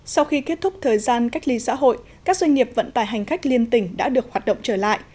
sau khi kết thúc thời gian cách ly xã hội các doanh nghiệp vận tải hành khách liên tỉnh đã được hoạt động trở lại